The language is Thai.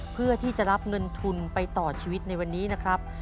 เพื่อที่จะรับเงินทุนไปต่อชีวิตในวันนี้นะครับ